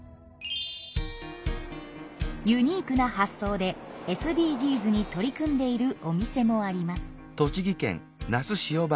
ユニークな発想でＳＤＧｓに取り組んでいるお店もあります。